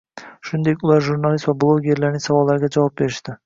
Shuningdek, ular jurnalist va blogerlarning savollariga javob berishdi.